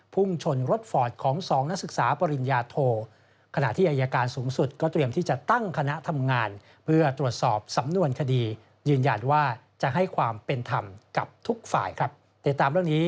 พุ่งชนรถฝอดของ๒นักศึกษาปริญญาโท